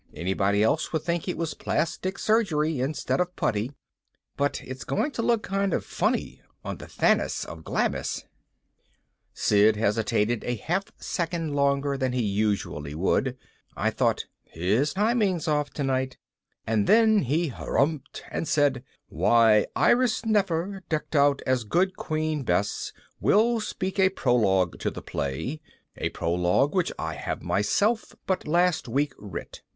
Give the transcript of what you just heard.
Anybody else would think it was plastic surgery instead of putty. But it's going to look kind of funny on the Thaness of Glamis." Sid hesitated a half second longer than he usually would I thought, his timing's off tonight and then he harrumphed and said, "Why, Iris Nefer, decked out as Good Queen Bess, will speak a prologue to the play a prologue which I have myself but last week writ."